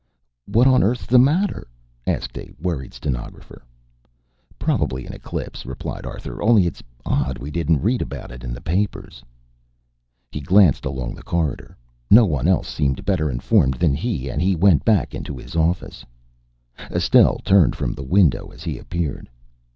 "What on earth's the matter?" asked a worried stenographer. "Probably an eclipse," replied Arthur. "Only it's odd we didn't read about it in the papers." He glanced along the corridor. No one else seemed better informed than he, and he went back into his office. Estelle turned from the window as he appeared.